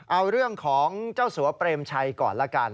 เอาเรื่องของเจ้าสัวเปรมชัยก่อนละกัน